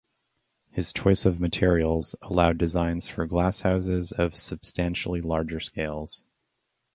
His choice of materials allowed designs for glasshouses of substantially larger scales.